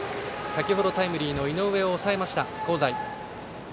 先程タイムリーの井上を抑えました、香西。